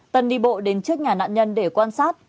tân đi bộ đến trước nhà nạn nhân để quan sát